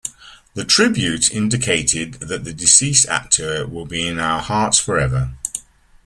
The tribute indicated that the deceased actor will be In Our Hearts Forever.